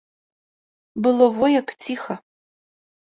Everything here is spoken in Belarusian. Было во як ціха!